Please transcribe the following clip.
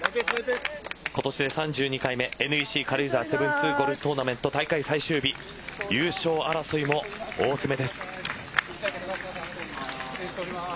今年で３２回目ＮＥＣ軽井沢７２ゴルフトーナメント最終日優勝争いも大詰めです。